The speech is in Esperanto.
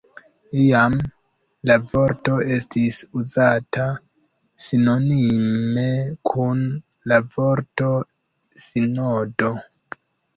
Iam la vorto estis uzata sinonime kun la vorto sinodo.